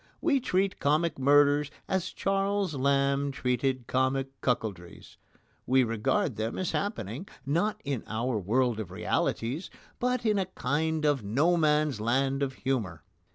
We treat comic murders as Charles Lamb treated comic cuckoldries. We regard them as happening, not in our world of realities, but in a kind of no man's land of humour.